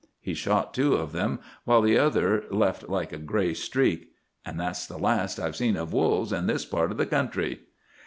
He shot two of them, while the other left like a gray streak. And that's the last I've seen of wolves in this part of the country!"